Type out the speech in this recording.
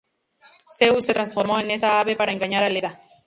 Zeus se transformó en esta ave para engañar a Leda.